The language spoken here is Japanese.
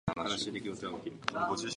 ホウセンカ